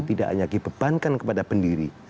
tidak hanya dibebankan kepada pendiri